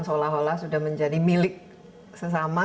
seolah olah sudah menjadi milik sesama